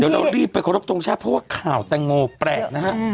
เดี๋ยวเรารีบไปขอรบทรงชาติเพราะว่าข่าวแตงโมแปลกนะฮะ